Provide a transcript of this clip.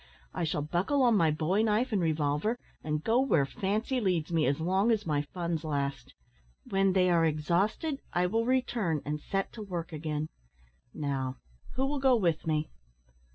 I shall buckle on my bowie knife and revolver, and go where fancy leads me, as long as my funds last; when they are exhausted, I will return, and set to work again. Now, who will go with me?"